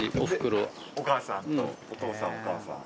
お母さんとお父さんお母さん。